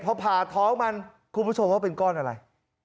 พอผ่าท้องมันคุณผู้ชมว่าเป็นก้อนอะไร